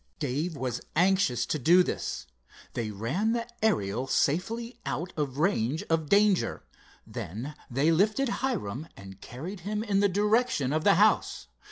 Dave was anxious to do this. They ran the Ariel safely out of range of danger. Then they lifted Hiram and carried him in the direction of the house.